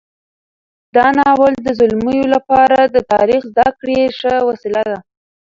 دا ناول د زلمیو لپاره د تاریخ زده کړې ښه وسیله ده.